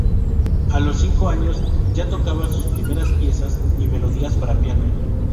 A los cinco años ya tocaba sus primeras piezas y melodías para piano.